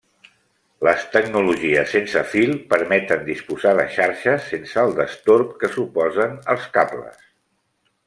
Les tecnologies sense fil permeten disposar de xarxes sense el destorb que suposen els cables.